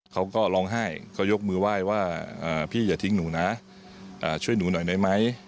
เขาก็ร้องไห้ก็ยกมือไหว้ว่าอ่าพี่อย่าทิ้งหนูน่ะอ่าช่วยหนูหน่อยไหม